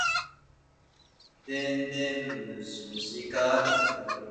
電電ムシムシかたつむり